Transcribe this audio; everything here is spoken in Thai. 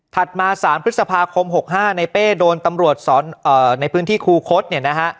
มา๓พฤษภาคม๖๕ในเป้โดนตำรวจสอนในพื้นที่คูคศเนี่ยนะฮะ